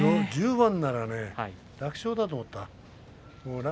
１０番だったら楽勝かと思った。